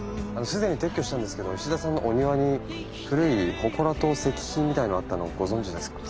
既に撤去したんですけど石田さんのお庭に古い祠と石碑みたいなのがあったのご存じですか？